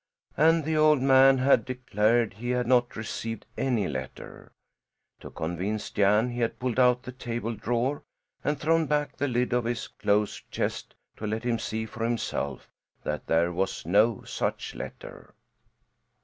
And the old man had declared he had not received any letter. To convince Jan he had pulled out the table drawer and thrown back the lid of his clothes chest, to let him see for himself that there was no such letter.